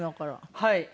はい。